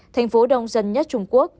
thành phố đông dân nhất trung quốc